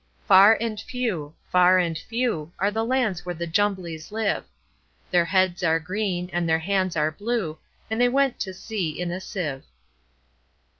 Far and few, far and few, Are the lands where the Jumblies live:Their heads are green, and their hands are blue; And they went to sea in a sieve.